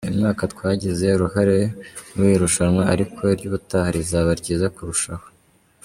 Uyu mwaka twagize uruhare muri iri rushanwa ariko iry’ubutaha rizaba ryiza kurushaho.